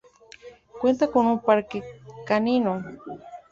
Cuenta con un parque canino